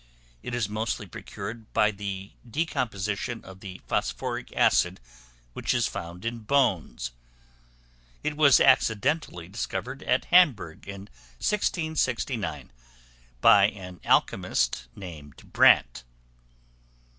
It is mostly procured by the decomposition of the phosphoric acid which is found in bones. It was accidentally discovered at Hamburgh, in 1669, by an alchemist named Brandt.